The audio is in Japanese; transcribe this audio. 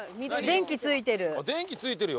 電気ついてるよ！